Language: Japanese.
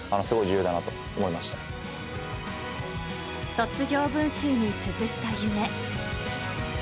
［卒業文集につづった夢］